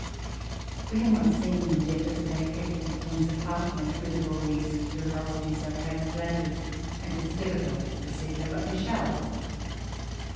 "We have not seen them yet, as they are kept in the King's apartment, whither all these curiosities are transplanted ; ajid "tis difiacult to see them— but we shall.